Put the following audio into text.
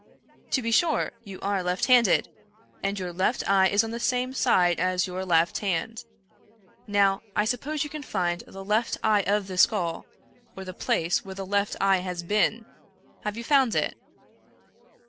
"To be sure! you are left handed; and your left eye is on the same side as your left hand. Now, I suppose, you 139 American Mystery Stcries can find the left eye of the skull, or the place where the left eye has been. Have you found it